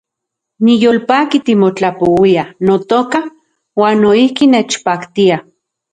Niyolpaki timotlapouiaj, notoka , uan noijki nechpaktia